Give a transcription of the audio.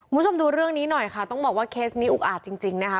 คุณผู้ชมดูเรื่องนี้หน่อยค่ะต้องบอกว่าเคสนี้อุกอาจจริงนะคะ